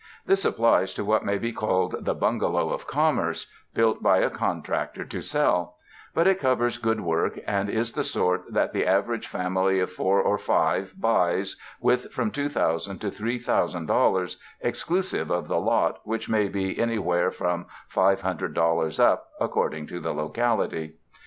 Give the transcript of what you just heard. This applies to what may be called the ''bungalow of commerce" built by a contractor to sell ; but it covers good work and is the sort that the average family of four or five buys with from $2,000 to $3,000, exclusive of the lot which may be anywhere from $500 up, according to the lo cality.